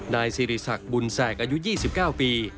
นายสิริศักดิ์บุญแสกอายุ๒๙ปี